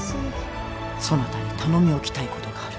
そなたに頼みおきたいことがある。